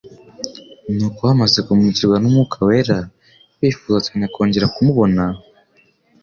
Nuko bamaze kumurikirwa n'Umwuka wera, bifuza cyane kongera kumubona,